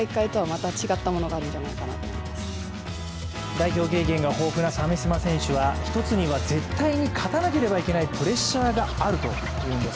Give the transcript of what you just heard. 代表経験が豊富な鮫島選手は一つには絶対に勝たなければいけないプレッシャーがあるというんです。